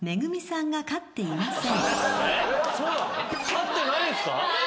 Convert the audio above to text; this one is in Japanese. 飼ってないんすか？